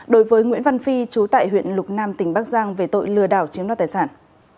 đối với nguyễn văn phi chú tại huyện lục nam tỉnh bắc giang về tội lừa đảo chiếm đoạt tài sản